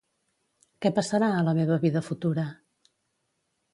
Què passarà a la meva vida futura?